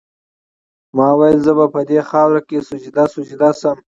ما ویل زه به دي په خاوره کي سجده سجده سم